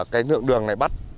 cái nượng đường này bắt